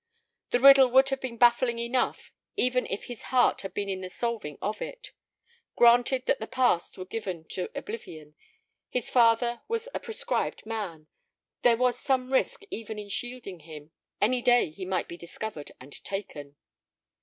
The riddle would have been baffling enough even if his heart had been in the solving of it. Granted that the past were given to oblivion, his father was a proscribed man; there was some risk even in shielding him; any day he might be discovered and taken.